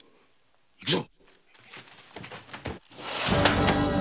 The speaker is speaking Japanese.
行くぞ！